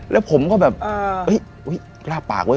แล้วผมก็แบบอุ๊ยพลาดปากบ้าง